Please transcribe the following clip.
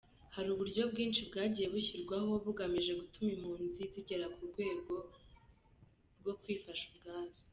Hari uburyo bwinshi bwagiye bushyirwaho bugamije gutuma impunzi zigera ku rwego rwo kwifasha ubwazo.